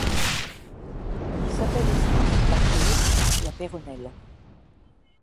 Il s'appelle aussi dans cette partie haute la Péronnelle.